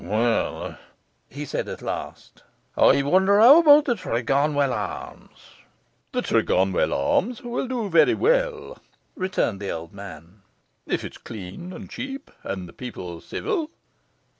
'Well,' he said at last, 'I wonder how about the "Tregonwell Arms".' 'The "Tregonwell Arms" will do very well,' returned the old man, 'if it's clean and cheap, and the people civil.